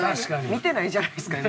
見てないじゃないですか今。